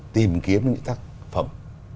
tìm kiếm những tác phẩm